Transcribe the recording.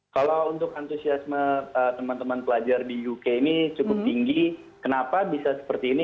kalau untuk antusiasme teman teman pelajar di uk ini cukup tinggi kenapa bisa seperti ini